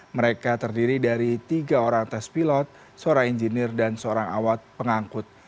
mereka terdiri dari tiga orang tes pilot seorang engineer dan seorang awat pengangkut